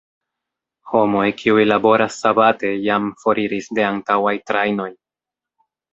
Homoj, kiuj laboras sabate jam foriris de antaŭaj trajnoj.